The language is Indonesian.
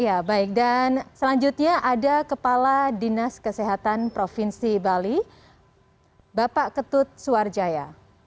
ya baik dan selanjutnya ada kepala dinas kesehatan provinsi bali bapak ketut suarjaya